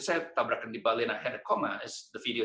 saya bertabrakan di bali dan saya memiliki koma seperti di video